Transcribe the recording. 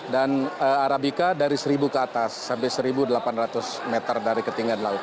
dan arabica dari seribu ke atas sampai seribu delapan ratus meter dari ketinggian laut